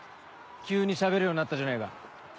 急に喋るようになったじゃねえか。